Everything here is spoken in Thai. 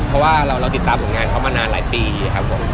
เพราะว่าเราติดตามผลงานเขามานานหลายปีครับผม